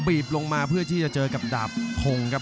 บีบลงมาเพื่อที่จะเจอกับดาบพงศ์ครับ